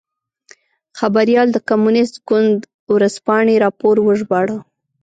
خبریال د کمونېست ګوند ورځپاڼې راپور وژباړه.